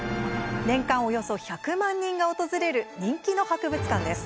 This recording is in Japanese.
年間およそ１００万人が訪れる人気の博物館です。